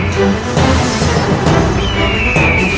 kenapa kau bagimu